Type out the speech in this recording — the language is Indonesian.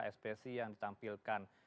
espesi yang ditampilkan